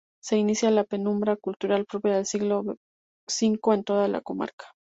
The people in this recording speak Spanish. Se inicia la penumbra cultural propia del siglo V en toda la comarca.